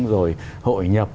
rồi hội nhập